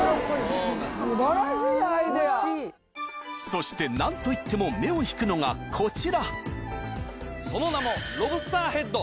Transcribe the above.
そして何といっても目を引くのがこちらその名も。